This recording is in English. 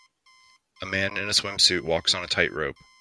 A man in a swimsuit walks on a tightrope.